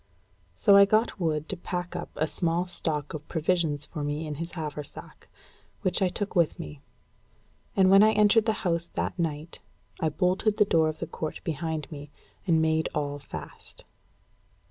So I got Wood to pack up a small stock of provisions for me in his haversack, which I took with me; and when I entered the house that night, I bolted the door of the court behind me, and made all fast.